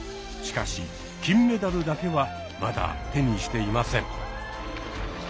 しかし金メダルだけはまだ手にしていません。